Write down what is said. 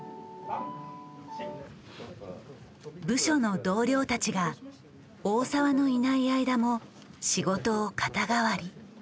部署の同僚たちが大澤のいない間も仕事を肩代わり。